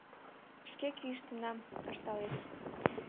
— Шке кӱэштынам, — ышталеш.